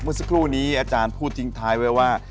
เมื่อสักครู่นี้อาจารย์พูดทิ้งท้ายไว้ว่า